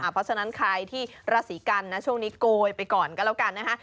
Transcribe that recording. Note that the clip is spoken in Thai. เพราะฉะนั้นใครที่ราศีกันนะช่วงนี้โกยไปก่อนก็แล้วกันนะคะ